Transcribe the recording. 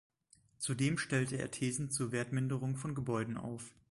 Zudem stellte er Thesen zur Wertminderung von Gebäuden auf.